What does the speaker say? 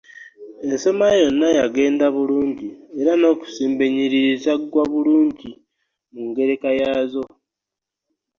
Ensoma yonna yagenda bulungi, era n'okusimba ennyiriri zaggwa bulungi mu ngereka yaazo.